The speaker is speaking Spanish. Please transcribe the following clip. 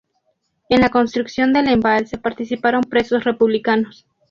En la construcción del embalse participaron presos republicanos.